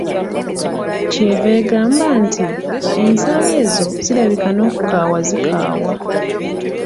Ky'eva egamba nti, ensaali ezo zirabika n'okukaawa zikaawa.